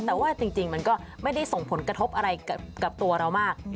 แต่ว่าจริงมันก็ไม่ได้ส่งผลกระทบอะไรกับตัวเรามาก